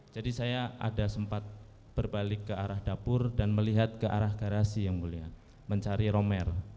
jadi saya ada sempat berbalik ke arah dapur dan melihat ke arah garasi yang mulia mencari romer